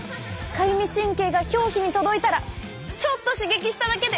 かゆみ神経が表皮に届いたらちょっと刺激しただけで。